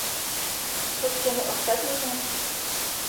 Co s těmi ostatními?